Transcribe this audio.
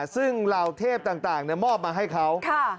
ซึ่งเหล่าเทพต่างมอบมาให้เขา